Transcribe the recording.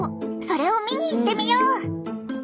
それを見に行ってみよう！